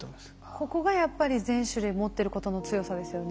ここがやっぱり全種類持ってることの強さですよね。